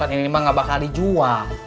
itu mah gak bakal dijual